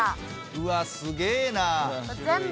うわすげえな。